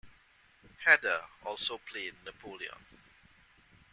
Heder also played Napoleon.